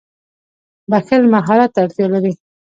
• بښل مهارت ته اړتیا لري.